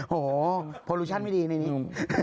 โหโปรลูชั่นไม่ดีในนี้